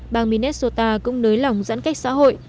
bang minnesota cũng nới lỏng giãn cách xã hội